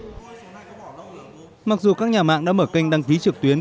cũng như các ưu tiên các nhà mạng đã mở kênh đăng ký trực tuyến